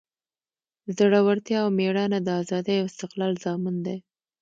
زړورتیا او میړانه د ازادۍ او استقلال ضامن دی.